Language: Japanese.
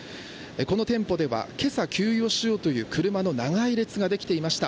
この店舗では今朝給油をしようという車の長い列ができていました。